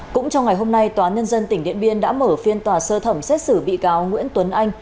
cũng trong ngày hôm nay tòa nhân dân tỉnh điện biên đã mở phiên tòa sơ thẩm xét xử bị cáo nguyễn tuấn anh